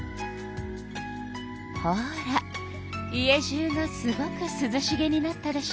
ほら家じゅうがすごくすずしげになったでしょ。